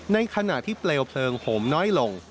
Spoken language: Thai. ในขณะที่เปลวเพลิงโหมน้อยลง